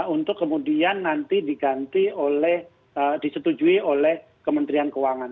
untuk kemudian nanti diganti oleh disetujui oleh kementerian keuangan